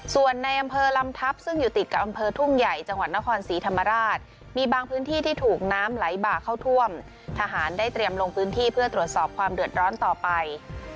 ส่วนในอำเภอลำทัพซึ่งอยู่ติดกับอำเภอทุ่งใหญ่จังหวัดนครศรีธรรมราชมีบางพื้นที่ที่ถูกน้ำไหลบ่าเข้าท่วมทหารได้เตรียมลงพื้นที่เพื่อตรวจสอบความเดือดร้อนต่อไป